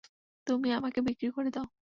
তুমি আমাকে বিক্রি করে দাও।